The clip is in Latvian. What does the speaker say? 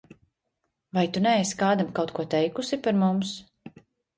Vai tu neesi kādam kaut ko teikusi par mums?